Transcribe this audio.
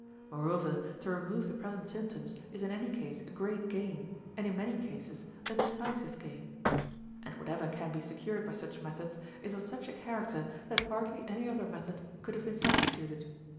Moreover, to remove the present symptoms is in any case a great gain and in many cases a decisive gain. And whatever can be secured by such methods is of such a character that hardly any other method could have been substituted.